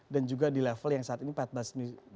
dan juga di level yang saat ini empat belas ribuan